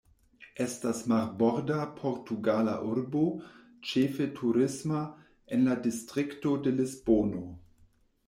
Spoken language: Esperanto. Estas marborda portugala urbo, ĉefe turisma, en la distrikto de Lisbono.